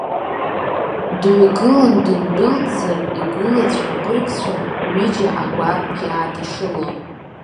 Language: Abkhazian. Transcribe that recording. Дҩагылан дындәылҵзар, игәылацәа абыргцәа ҩыџьа агәарԥ иааҭашылон.